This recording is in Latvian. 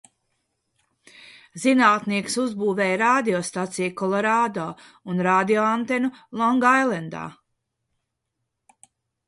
Zinātnieks uzbūvēja radiostaciju Kolorādo un radioantenu Longailendā.